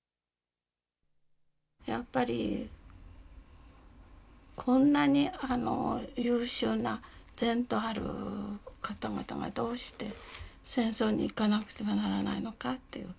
やっぱりこんなにあの優秀な前途ある方々がどうして戦争に行かなくてはならないのかっていう感じでした。